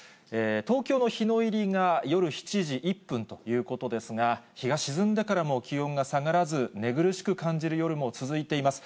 東京の日の入りが夜７時１分ということですが、日が沈んでからも気温が下がらず、寝苦しく感じる夜も続いています。